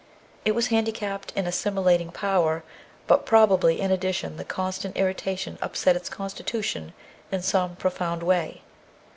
It was handicapped in assimilating power, but probably, in addition, the constant irrita tion upset its constitution in some profound way.